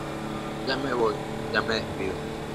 Ya me voy, ya me despido.